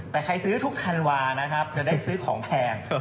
แต่ใครซื้อทุกธันวานะครับจะได้ซื้อของแพง